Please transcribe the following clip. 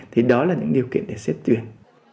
thì đó là những điều kiện để xếp tuyển